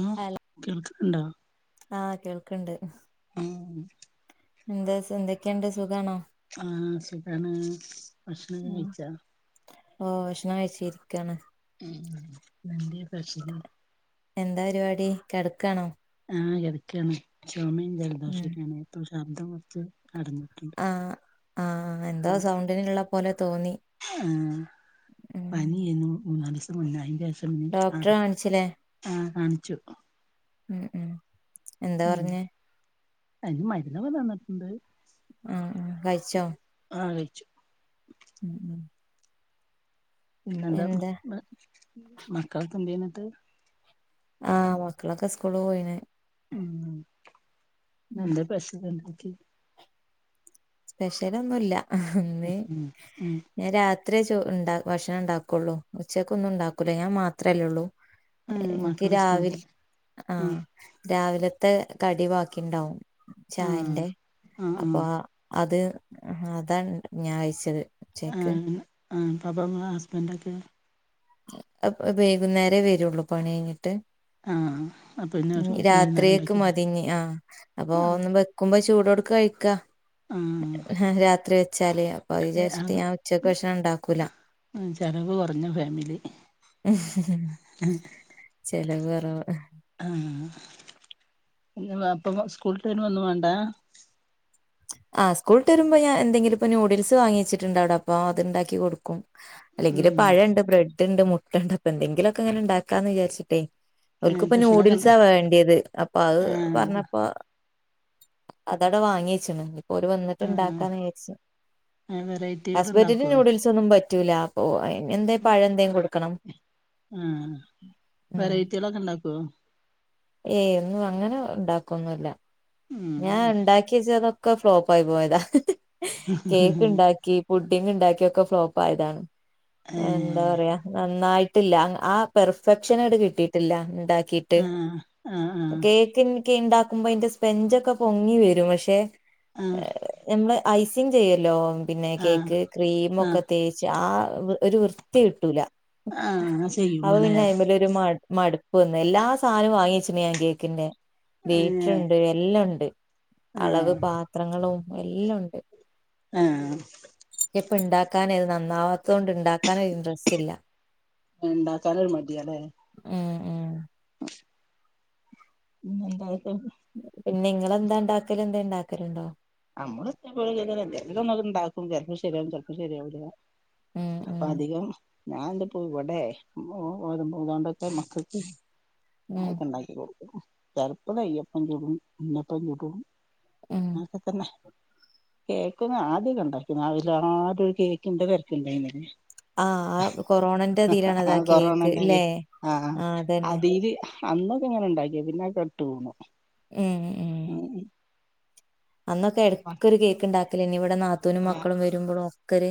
ആഹ് hello കേൾക്ക്ന്ന്ണ്ടാ ആഹ് കേൾക്കണ്ട് ആഹ് എന്താ എന്തൊക്കെയുണ്ട് സുഖമാണോ? ആഹ് സുഖാണ് ഭക്ഷനൊക്കെ കഴിച്ച ഓഹ് ഭഷ്ണം കഴച്ചിരിക്കാണ്. ഉം എന്തേ കയ്ച്ചത് എന്താ പരിപാടി കിടക്കാണോ ആഹ് കെടക്കാണ് ചുമയും ഉം ജലദോഷക്കാണ് ഇപ്പൊ ശബ്ദം കുറച്ച്. അടഞ്ഞിട്ടുണ്ട് ആഹ് ആഹ് എന്താ ആഹ് സൗണ്ടിനിള്ള പോലെ തോ ആഹ് ഉം പനിയാണു മൂന്നാലിസം മുന്നായി അതി അട ഡോക്ടറെ കാണിച്ചില്ലേ ആഹ് കാണിച്ചു. ഉം ഉം ന്താ പറഞ്ഞെ അതിന് മര്ന്നൊക്കെ തന്നിട്ടുണ്ട് ആഹ് ആഹ് കഴിച്ചോ ആഹ് ഉം ഉം പിന്നെന്താ എന്താ മക്കൾക്കെ എന്തിയ്യിന്നിട്ട് ആഹ് മക്കളൊക്കെ സ്കൂള് പോയിന്. ഉം എന്താ [unintelligible] സ്പെഷ്യലൊന്നുല്ല ഇന്ന് ഉം ഉം ഞാൻ രാ ഇത്രേ ചോർ ഉണ്ടാ ഭക്ഷണം ഉണ്ടാക്കയുള്ളൂ ഉച്ചക്ക് ഒന്നും ഉണ്ടാക്കൂല ഞാൻ മാത്രമല്ലേ ഉള്ളൂ ആഹ് എനിക്ക് മക്കള് സ്കൂൾ രാവിൽ പോ ആഹ് രാവിലെ ത്തെ കടിവാക്കിണ്ടാവും ആഹ് ചായന്റെ ആഹ് ആഹ് അപ്പൊ അത് അതാണ് ഞാൻ കയിച്ചത് ഉച്ചക്ക് ആഹ് അപ്പ മാ ഹസ്ബൻ്റൊക്കെയോ അ വൈകുന്നേരേ വരുള്ളൂ പണി കഴിഞ്ഞിട്ട്. ആ അപ്പം ഇന്ന് ഉം വൈകുന്നേരം രാത്രിയക്ക് ഉണ്ടാക്കിയത് മതിഞ്ഞി ആഹ് അപ്പൊ ആ ഒന്ന് വെക്കുമ്പോ ചൂടോട് കഴിക്കാ ആ രാത്രി വെച്ചാല് അപ്പൊത് വിചാരിച്ചിട്ട് ഞാൻ ഉച്ചക്ക് ഭക്ഷണം ഉണ്ടാക്കൂല. ഉം ചെലവ് കുറഞ്ഞുല്ലേ ചിലവ് കുറവാ അപ്പൊ സ്കൂളുട്ട് വരുമ്പോ ഒന്നും വേണ്ടാ ആഹ് സ്കൂളുട്ട് വരുമ്പോ ഞാ എന്തെങ്കിലും ഇപ്പൊ നൂഡിൽസ് വാങ്ങി വച്ചിട്ടുണ്ട് അപ്പ അത്ണ്ടാക്കി കൊടുക്കും അല്ലെങ്കില് ഉം പഴണ്ട്, ബ്രെഡ്ണ്ട്, മുട്ടണ്ട് അപ്പൊ എന്തെങ്കിലൊക്കെ ഇങ്ങനെ ണ്ടാക്കാന്ന് വിചാരിച്ചിട്ടേ ഓൽക്ക്പ്പൊ ഭക്ഷണൊക്കെ ഉണ്ട് ന്യൂഡിൽസാ വേണ്ടിയത്. അപ്പൊ അത് ആ പറഞ്ഞപ്പൊ അതട വാങ്ങിച്ചീണ്. ഓര് വന്നിട്ട്ണ്ടാക്കാന്ന് വിയാച്ച്. ആ വെറൈറ്റികൾ ഹസ്ബന്റ്ന് ഉണ്ടാക്കുവോ ന്യൂഡിൽസ് ഒന്നും പ റ്റുലാ പോയ എന്തേ പഴന്തേം കൊടുക്കണം. ആ ഉ വെറൈറ്റികളൊക്കെ ഉണ്ടാക്കുവോ ഏയ് ഒന്നും അങ്ങനെ ണ്ടാക്കൊന്നൂല്ല. ഞാൻ ഉം ണ്ടാക്കിയച്ചൊതൊ ക്കെ ഫ്ലോപ്പായി പോയതാ. കേക്ക് ണ്ടാക്കി, പുഡ്ഡിങ്ണ്ടാക്കി ഒക്കെ ഫ്ലോപ്പായതാണ്. ഏ എന്താ പറയാ നന്നായിട്ടില്ല. അങ്ങ് ആ പെർഫെക്ഷനങ്ങട്ട് കിട്ടിയിട്ടില്ല. ഉം ണ്ടാക്കീട്ട്. ആ ആ ആ കേക്ക് ന് ക്കെ ഉണ്ടാക്കുമ്പോ അയിന്റെ സ്പെഞ്ചൊക്കെ പൊങ്ങി വരും പക്ഷെ ആ നമ്മളെ ഐസിങ് ചെയ്യല്ലോ. പിന്നെ കേക്ക് ആ ക്രീമൊക്കെ തേച്ച് ആ വൃ ഒരു വൃത്തി കിട്ടൂല ആ ആ അപ്പൊ ചെയ്യുമ്പോല്ലേ പിന്നെ അയിമല് ഒരു മട് മടുപ്പ് വന്ന് എല്ലാ സാധനവും വാങ്ങി ച്ചനിയാൻ കേക്കിന്റെ ഏ ബീറ്റ്റ്ണ്ട് എല്ലാം ഉ ആ അളവ് പാത്രങ്ങളും എല്ലുണ്ട്. ആ എപ് പ്പ ഉണ്ടാക്കാന് അത് നന്നാവാത്തോ ണ്ട് ണ്ടാക്കന് ഒരു ഇന്ട്രസ്റ്റില്ല. ണ്ടാക്കാനൊരു മടിയാലെ ഉം ഉം ഉ [unintelligible] പിന്നെ ങ്ങളന്താ ണ്ടാക്കല്. എന്തേ ണ്ടാക്കലുണ്ടോ? അമ്മള് [unintelligible] എന്തേങ്കിലൊന്നത്ണ്ടാക്കും. ചെൽപ്പൊ ശരിയാവും. ചെൽപ്പൊ ശരിയാവൂലാ ഉം അപ്പൊ ഉം അധികം ഞാൻന്തപ്പൊ ഇവടെ [unintelligible] മക്കക്ക് ഉം അക്കെണ്ടാക്കികൊടുക്കും. ചെലപ്പം കൈയ്യപ്പം ചുടും, ഉണ്ണിയപ്പം ചുടും ഉം ആ കേക്കൊന്ന് ആദ്യക്കൊണ്ടാക്കിന് അവൽ ആദ്യരു കേക്കിന്റെ തെര്ക്കല്യേനൊ ആഹ്. ഹ ആ കൊറോണന്റെ ഇതിലാണത് അ ആ കൊറോണ കേക്ക് ണ്ടായി ല്ലേ? ആ ആഹ് അതന്നെ. അതീല് അന്നൊക്കെ ഇങ്ങനെ ഉണ്ടാക്കി പിന്നെ അഅ് കെട്ട് വീണു. ഉം ഉം അന്നൊക്കെ എട്ക്കൊര് കേക്ക് ണ്ടാക്കെലെനിവിടെ നാത്തൂനും മക്കളും വരുമ്പോഴും ഒക്കെര്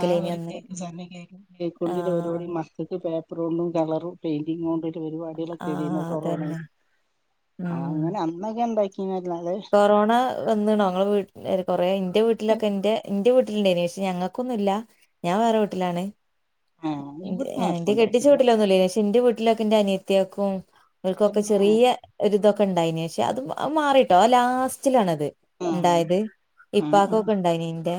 ആഹ ഒരു കേക്ക് സമയ കേക്ക് കേക്കൊണ്ടി [unintelligible] ആഹ് മക്കക്ക് പേ [unintelligible] കളറും, പെയിന്റിംങ്ങോണ്ട് പരിപാടികളൊക്കെ ആഹ് എഴുന്ന അതന്നെ. കൊറോണയില് ആ അങ്ങനെ ഉം. അന്നൊക്കെ ണ്ടാക്കി കൊറോണ വന്ന്ണൊ? ങ്ങളെ വീ കൊറെ ന്റെ വീട്ട്ലൊക്കെ ൻ്റെ വീട് ണ്ടേ നി പക്ഷെ ഞങ്ങൾക്കൊന്നുല്ലാ ഞാ വേറെ വീട്ടിലാണ്. ആഹ് ൻ്റെ ഇവിടന്ന് എ ആർക്കും എന്റെ കെട്ടിച്ച ഉണ്ടായിട്ടില്ല വീട്ടിലൊന്നുല്ലേനു പക്ഷെന്റെവീട് ലൊക്കെ ന്റെ അനിയത്തിയേക്കും ഓൽ കൊക്കെ തന്നെ ചെറിയ ഒര് തൊക്കെ ഉണ്ടായിനി. ഷേ അത് അ മാറിട്ട ട്ടോ ലാസ്റ്റിലാണത് ആഹ് ണ്ടായത്. ആഹ് ഇപ്പാക്കൊക്കെണ്ടായിനി ന്റെ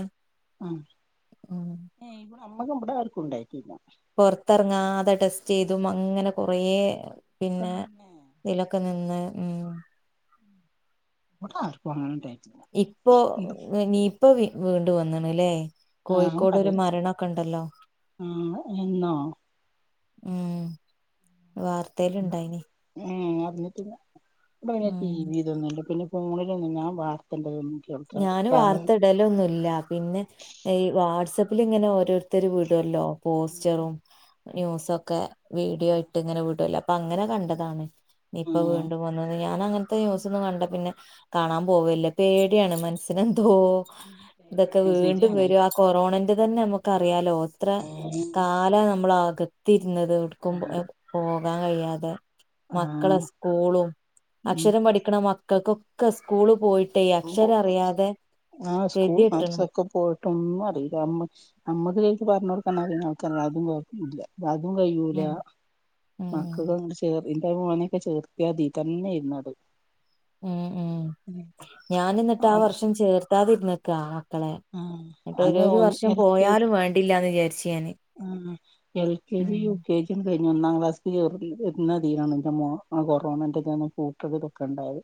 ഏ നമ്മക്ക്മ്മടെ ആർക്കും ഇണ്ടായിട്ടില്ല. പുൊറത്തറങ്ങാതെ ടെസ്റ്റൈതും അങ്ങനെ കൊറേ പിന്നെ തന്നെ ഇതിലൊക്കെ നിന്ന് മ് വടെ ആര്ക്കും അ [unintelligible] ഇപ്പൊ നീ ഇപ്പൊ വീ വീണ്ടു വന്ന്ണ് ലെ ആഹ് കോഴിക്കോട് ഒരു പറയ് മരണൊക്കെ ണ്ടല്ലോ ആഹ് എന്നോ ഉം വാർത്തേല് ഇണ്ടായിനി. ന്നിട്ട് വ. വടെ ടി വി തൊന്നില്ല. പിന്നെ ഫോണിലൊന്നും ഞാൻ ഞാന് വാർത്തള്ളേന്നു [unintelligible] വാർത്തയിടലൊന്നുല്ല. പിന്നെ ഇ വാട്സആപ്പിൽ ഇങ്ങനെ ഓരോരുത്തർ വിടുല്ലോ പോസ്റ്ററും ന്യൂസൊക്കെ വീഡിയോട്ട് ഇങ്ങനെ വീടോല്ലൊ അപ്പൊ അങ്ങനെ കണ്ടതാണ് നിപ്പ ആഹ് വീണ്ടും വന്നുന്ന് ഞാൻ അങ്ങൻത്തെ ന്യൂസൊന്നും കണ്ട പിന്നെ കാണാൻ പോവല്ല പേട്യാണ് മൻസ്സിന് തോ ഇതൊക്കെ വീണ്ടും ശരിയാണ് വരും ആ കൊറോണന്റതെന്നെമക്കറിയാലോ ത്ര ആഹ് കാല നമ്മള് അകത്തിരുന്നത് എടുക്കും പോകാൻ കയ്യാതെ മക്കളെ സ്കൂളും ഉം അക്ഷരം പഠിക്കിണ മക്കൾക്കൊക്കെ സ്കൂള് പോയിട്ടേ അക്ഷരം അറിയാതെ ആ സ്കൂൾ കെതിട്ട്ണ് [unintelligible] പൊ ട്ടൊന്നും അറീല്ല അമ്മ അമ്മക്ക് ശരിക്ക് പർഞ്ഞൊടുക്കാൻ അറീണ ആൾക്കാര അതും കൊയ്പ്പല്ല അതും കയ്യൂല ഉം ഉം മക്കൾ അങ്ങ ചേ ഇന്റെ മോനെക്കെ ചേർത്ത്യാതീ തന്ന്യാരുന്നു അത് ഉംഉം ഞാനിന്നിട്ട് ആ ആഹ് വർഷം ചേർത്താതിര്ന്നക്കാ കളെ ആഹ് എന്നിട്ട് അയിന് ഓരോരു വർഷം പോയാലും വേണ്ടില്ലാന്ന്ചാരി ഉം എൽ കെ ജി ഉം യു കെ ജി കഴി ഒന്നാം ക്ലാസ്ൽ ചെർന്നതിനാണ് ന്റെ മോ കൊറോണന്റെൊക്ക പൂട്ടൊക്കെ തൊക്കെ ഉണ്ടായത്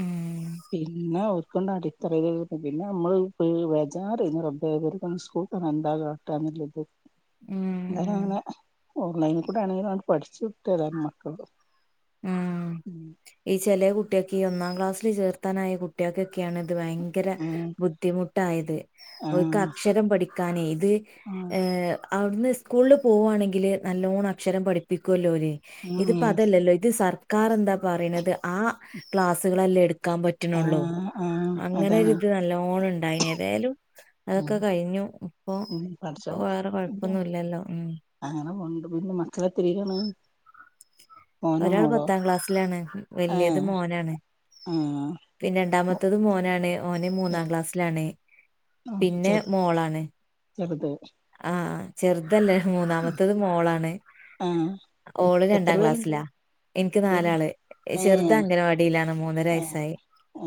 ഉം പിന്നെ ഒ അടിറ പിന്നെ നമ്മള് പ് ബേജാറാനി റബ്ബേ കൊല്ലം സ്കൂൾക് എന്താട് കാട്ടാ [unintelligible] ഉം ഇങ്ങനെ ഉം ആണേ ഓൺലൈനിൽ കൂടെ ആണെങ്കിലും പഠിച്ചു കിട്ടി മക്കൾ ഉം ഈ ചെല്ലേ കുട്ടിയൊക്കെ ഈ ഒന്നാം ക്ലാസ്സില് ചേർത്താനായ കുട്ടിയൊക്കെ ക്യാണ്ഭയങ്കര ഉം ബുദ്ധിമുട്ടായത് അവക്ക് ആഹ് അക്ഷരം പഠിക്കാനെ അത് ആഹ് എ അവിടുന്ന് സ്കൂളിൽ പോകുവാണെങ്കിൽ നല്ലവോണം അക്ഷരം പഠിപ്പിക്കുല്ലോ ഓല് ഉം ഇതിപ്പോ ഉം അതല്ലല്ലോ ഇത് സർക്കാർ എന്താ പറയുണത് ആ ക്ലാസ്സുകളെല്ലേ എടു ക്കാൻ പറ്റുള്ളൂ ആഹ് ആഹ് അങ്ങനെ ഒരു അതാണ് ഇത് നല്ലോണം ഉണ്ടായിന് ഏതായാലും ഉം അതൊക്കെ കഴിഞ്ഞു ഇപ്പൊ ഉം പഠച്ചോൻ വേറെ കൊഴപ്പൊന്നും ഇല്ലല്ലോ ഉം അങ്ങനെ പോണ്ട് പിന്നെ മക്കളെ [unintelligible] ഒരാൾ പത്താം ക്ലാസ്സിലാണ് വലിയത് ഏഹ് മോനാണ് ആഹ് പിന്നെ രണ്ടാമത്തതും മോനാണ് ഓന്ന് മൂന്നാം ക്ലാസ്സിലാണ് പിന്നെ ചെർ മോളാണ് ചെറുത് ആഹ ചെറുതല്ലേ മൂന്നാമത്തത് മോളാണ് ആഹ് ഓള് എത്ര രണ്ടാം പേരുണ്ട് ക്ലാസ്സിലാ എനിക്ക് എത്ര പേരുണ്ട് നാലാള് ഏഹ് ചെറുത് അംഗനവാടിയിലാണ് മൂന്നര വയസ്സായി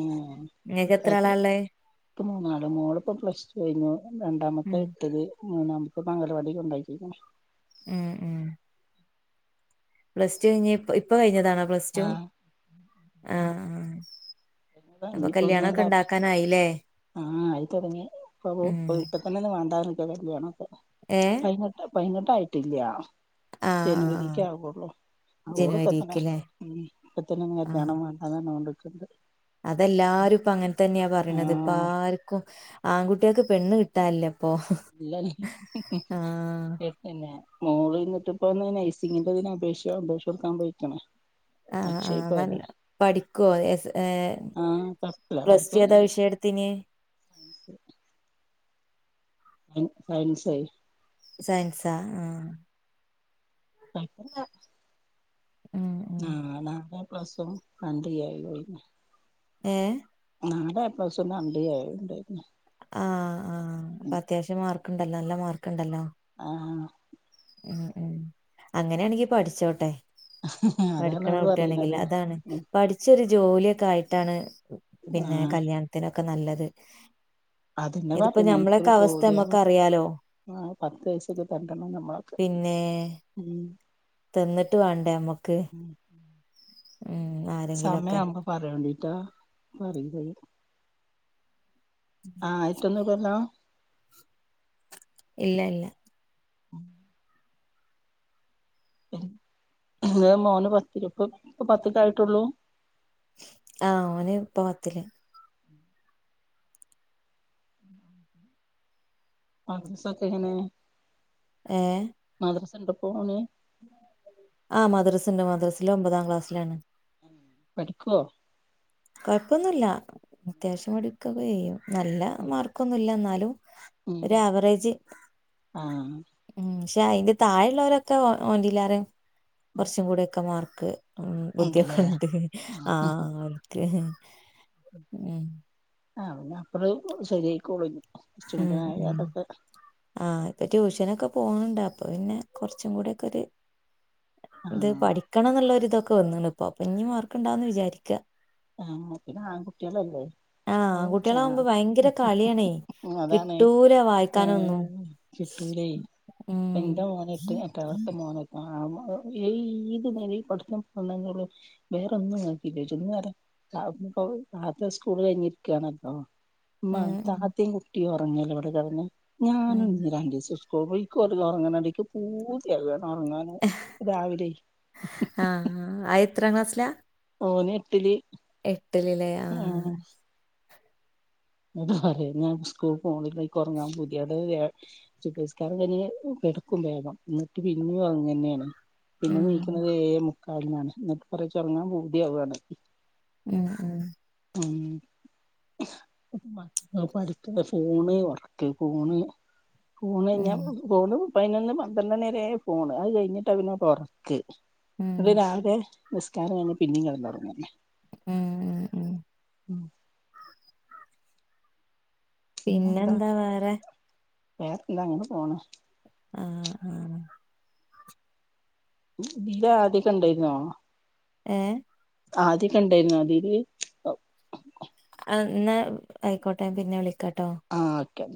ഉം നിങ്ങൾക്ക് എത്ര ആളാ ഉള്ളേ ഇക്ക്‌ മൂന്നാള് മോള ഇപ്പോ പ്ലസ് ടു കഴിഞ്ഞു രണ്ടാമത്തെ ഉം എട്ടില്ല് മൂന്നാമ ഇപ്പൊ പ്പോ അംഗൽവാടി കൊണ്ടാക്കിണ് ഉം ഉം പ്ലസ് ടു കഴിഞ്ഞ ഇ ഇപ്പൊ കഴിഞ്ഞതാണോ പ്ലസ് ടു ആഹ് ആ ആ അപ്പൊ കല്ല്യാണൊക്കെ ഉണ്ടാക്കാനായില്ലേ ആ ആയി തുടങ്ങി ഇപ്പ ഉം ഇപ്പ തന്നെ ഒന്ന് വണ്ടാന്ന് പറഞ്ഞക്ക കല്യാണൊക്കെ ഏ പൈയി പൈയിനെട്ട് ആയിട്ടില്ല ആ ആ ആ ജനുവരിക്ക് ആകുള്ളൂ ഓള് പത്തന ജനുവരിക്ക്ല്ലേ മ്മ് ഇപ്പത്തന ആ കല്യാണം വേണ്ടാന്ന് പറഞ്ഞുണ്ട് അതെല്ലാരും ഇപ്പ അങ്ങനെ തന്നെയാ പറിണത് ഇപ്പ ആഹ് ആർക്കും ആൺകുട്ടി ട്ടിക്ക് പെണ് കിട്ടാനില്ല ഇപ്പൊ ആഹ് ഇല്ലല്ലേ പിന്നെ മോള് ഇന്നിട്ട് പ്പോന്ന് നൈസിങ്ങിന്റെ അപേക്ഷ അപേക്ഷ കൊടുക്കാൻ പയിക്ണ് ആ ആഹ നല്ല പഠിക്കോ എ ആഹ് കൊഴപ്പല്ല പ്ലസ് പഠിക്കുകയും ടുഏതാ വിഷയം എട ത്തിനിയെ [unintelligible] സയൻസ് സയൻസാ ആ കുഴപ്പല്ല ഉം ഉം ആഹ് നാല് എ പ്പ്ലസും രണ്ട് എയും എനി ഏഹ് നാല് എ പ്ലസും രണ്ട് എയും ഉണ്ടയിനി ആഹ് ആഹ് അപ്പൊ അത്യാവശ്യം മാർക്കുണ്ടല്ലോ നല്ല മാർക്ക് ണ്ടല്ലോ ആഹ് ഉം ഉം അങ്ങനെണെങ്കി പഠിച്ചോട്ടെ ആഹ് അതാണ് പഠിക്കണ അവള് പറയണത് കുട്ടിയാണെങ്കില് അതാണ് പഠിച്ചൊരു ജോലിയൊക്കെ ആയിട്ടാണ് പിന്നെ ആഹ് കല്യാണത്തിനൊക്കെ നല്ലത് അതന്നെ ഇതിപ്പോ പറിണേ ക്കൊരു ഞമ്മളൊക്കെ അവസ്ഥ ജോലിയാവ നമ്മക്ക് അറിയാലോ ആഹ് പത്ത് വയസൊക്ക്‌ കണ്ടണം നമ്മള് പിന്നേ തിന്നിട്ട് വേണ്ടേ നമ്മക്ക് ഉം ആരെങ്കിലൊക്കെ സമയാവുമ്പം പറയോണ്ടീട്ടോ ഇൻക്കറീലത് ആയിറ്റൊന്നുല്ലല്ലൊ ഇല്ല ഇല്ല എളേ മോന് പത്തില് പ്പം പ്പം പത്ത്ക്കായിട്ടൊള്ളു ആ ഓന് ഇപ്പ പത്തില് മദ്രസൊക്കെങ്ങനെ ഏ മദ്രസ്ണ്ടോ പ്പോന് ആ മദ്രസ്ണ്ട് മദ്രസ് ല് ഒമ്പതാം ക്ലാസ്സിലാണ് പഠിക്കോ കൊയപ്പൊന്നുല്ല അത്യാവശ്യം പഠിക്ക്യോക്കെ ചെയ്യും നല്ല മാർക്കൊന്നുല്ല ന്നാലും ഉം ഒരാവറേജ് ആഹ് ഉം ക്ഷെ അയ്ന്റെ താഴെള്ളോരൊക്കെ ഓന്റിലേറെം കൊർച്ചും കൂടി ഒക്കെ മാർക്ക് ഉം ഉണ്ട്ല്ലേ ബുദ്ധിയൊക്കെണ്ട് ആ ഓൽക്ക് ഉം ആ പിന്നെ അപ്പളും ശെരിയായിക്കോളുംഞ്ഞി ഉം ഉം ആ ഇപ്പൊ ട്യൂഷനൊക്കെ പോണ്ണ്ട് അ അപ്പൊ പിന്നെ കൊർച്ചും കൂടിയൊക്കൊരു ത് ആഹ് പഠിക്കണം ന്ന്ള്ളൊര്തൊക്കെ പ്പൊ വന്ന്ണ്പ്പം ഞ്ഞി മാർക്ക്ണ്ടാവും ന്ന് വിചാരിക്ക ആ പിന്നെ ആൺകുട്ട്യാളല്ലേ ആ അപ്പൊ കൊർച്ചാ ആൺകുട്ടികളാവുമ്പോ ഭയങ്കര കളിയാണേ ഉം അതാണെ കിട്ടൂല വായിക്കാനൊന്നും ഉം കിട്ടൂലേ എന്താ ഉം. ഓനായിട്ട് എട്ടാം ക്ലാസ്സ്‌ത്തെ മോന ആ മോ അ ഈ ഏത് നേരം പട്ത്തം [unintelligible] വേറൊന്നും ഇങ്ങക്കില്ലേ ചോയ്ച്ചും [unintelligible] [unintelligible] താത്ത സ്കൂള് കഴിഞ്ഞിരിക്ക്യാണ പ്പം മ്മ ഉം ഉം താത്തിം കുട്ടിയിം ഒ ർങ്ങല്ലെ ഇവടെ കെട്ന്ന് ഉം. ഞാനും ഞ്ഞി രണ്ടീസം സ്കൂള് പോയി ക്ക് ഓലൊർങ്ണണ്ട് ക്ക് പൂത്യാകാണ് ഒർങ്ങാന് രാവിലെ ത്രാം ക്ലാസിലാ ഓന് എട്ടില് എട്ടില് ല്ലേ ആഹ് അതുപോലെ ഞാൻ സ്കൂൾ പോണില്ല ഇക്ക് ഉറങ്ങാൻ പൂതിയാത് ഏ സുബ്ഹ്സ്കാരം കയ്ഞ്ഞു കിടക്കും വേഗം ന്നിട്ട് പിന്നിം ഒർങ്ങന്നെണ് പിന്നെ ഉം ണീക്ന്നത് ഏഴേ മുക്കാലിനാണ് ന്നട്ട് പറയാ ച് ഉറങ്ങാൻ പൂതിയാവാണ് ഉം ഉം ഉം മക്കൾ പഠിക്കുന്നെ ഫോണെ ഉറക്കെ ഫോണ് ഊണ് ഉം കഴിഞ്ഞാ ഫോണ് പയ്നൊന്ന് പന്ത്രണ്ടണിരേ ഫോണ് അത് കഴിഞ്ഞിട്ടാ പിന്നെത ഉറക്ക് ഉം നട്ട് രാവിലെ നിസ്കാരം കഴിഞ്ഞ് പിന്നിം കിടന്നൊർങ്ങന്നെ ഉം ഉം ഉം ഉം പിന്നെന്താ വേറെ എന്ത അങ്ങനെ പോണ ആഹ് ആഹ് ഇതിലെ ആദ്യക്കെ ഇണ്ടായ്ന്നോ ഏ ആദ്യക്കെ ണ്ടായിരുന്നു അതില് ഇന്നാ ആയ്ക്കോട്ടെ പിന്നെ വിളിക്കോട്ടോ ആഹ് ഓക്കെ